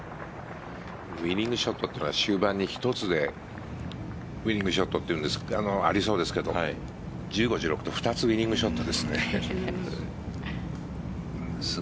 ウイニングショットっていうのは終盤に１つでウイニングショットっていうありそうですけど１５、１６と２つウイニングショットですね。